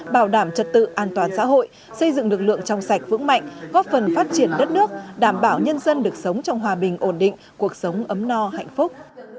bảo đảm trật tự an toàn xã hội xây dựng lực lượng trong sạch vững mạnh góp phần phát triển đất nước đảm bảo nhân dân được sống trong hòa bình ổn định cuộc sống ấm no hạnh phúc